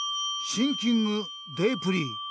シンキングデープリー。